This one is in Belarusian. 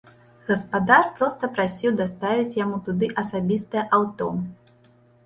Гаспадар проста прасіў даставіць яму туды асабістае аўто.